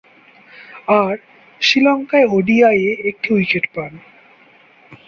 আর, শ্রীলঙ্কায় ওডিআইয়ে একটি উইকেট পান।